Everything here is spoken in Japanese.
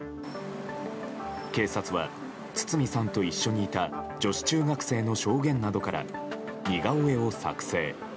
警察は堤さんと一緒にいた女子中学生の証言などから似顔絵を作成。